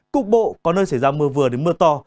cục bộ có nơi xảy ra mưa vừa đến mưa to